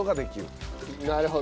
なるほど。